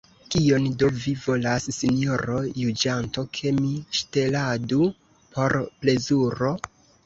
Kion do vi volas, sinjoro juĝanto, ke mi ŝteladu por plezuro?